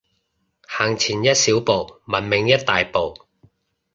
行前一小步，文明一大步